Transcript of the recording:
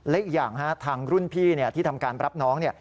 และอีกอย่างทางรุ่นพี่ที่ทำการรับน้องเนี่ย